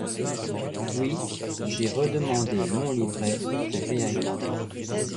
Oui, j’ai redemandé mon livret, je vais ailleurs.